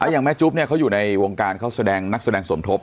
อย่างแม่จุ๊บเนี่ยเขาอยู่ในวงการเขาแสดงนักแสดงสมทบ